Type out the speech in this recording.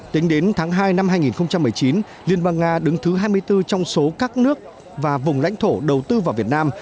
tính đến tháng hai năm hai nghìn một mươi chín liên bang nga đứng thứ hai mươi bốn trong số các nước và vùng lãnh thổ đầu tư vào việt nam